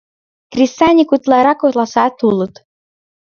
Кресаньык утларак, оласат улыт.